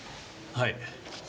はい。